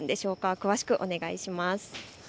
詳しくお願いします。